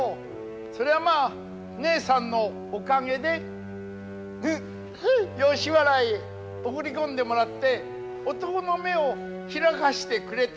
そりゃまあねえさんのおかげでフフ吉原へ送り込んでもらって男の目を開かしてくれた。